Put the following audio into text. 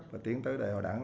và tiến tới đại hội đảng